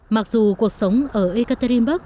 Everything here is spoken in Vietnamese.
mặc dù cuộc sống ở ekaterinburg